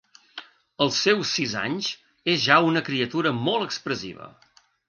Als seus sis anys és ja una criatura molt expressiva.